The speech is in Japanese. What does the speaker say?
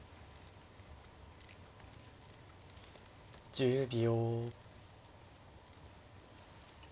１０秒。